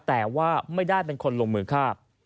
แต่ว่าไม่ได้เป็นคนลงมือฆ่า